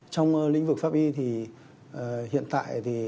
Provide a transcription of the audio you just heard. trong lĩnh vực pháp y thì hiện tại thì